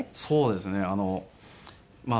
そうですね。